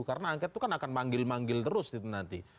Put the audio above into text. karena angket itu kan akan manggil manggil terus nanti